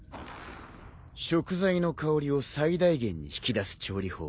食材の香りを最大限に引き出す調理法。